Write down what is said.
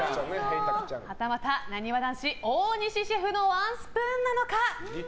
はたまた、なにわ男子大西シェフのワンスプーンなのか。